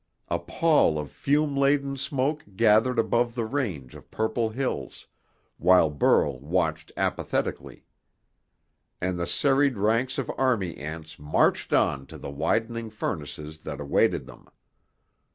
A pall of fume laden smoke gathered above the range of purple hills, while Burl watched apathetically. And the serried ranks of army ants marched on to the widening furnaces that awaited them.